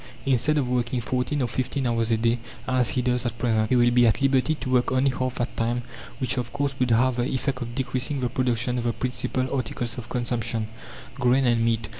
Instead of working fourteen or fifteen hours a day, as he does at present, he will be at liberty to work only half that time, which of course would have the effect of decreasing the production of the principal articles of consumption grain and meat.